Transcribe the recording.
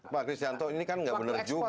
pak gritanto ini kan enggak benar juga